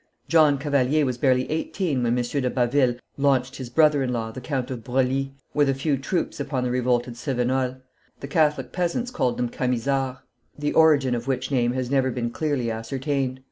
John Cavalier was barely eighteen when M. de Baville launched his brother in law, the Count of Broglie, with a few troops upon the revolted Cevenols. The Catholic peasants called them Camisards, the origin of which name has never been clearly ascertained.